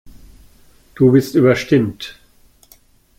Du bist überstimmt.